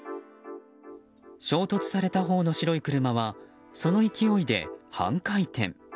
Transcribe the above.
衝突されたほうの白い車はその勢いで半回転。